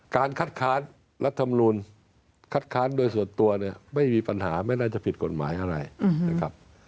การคัดค้านรัฐมนูลคัดค้านโดยส่วนตัวเนี่ยไม่มีปัญหาไม่น่าจะผิดกฎหมายอะไรนะครับ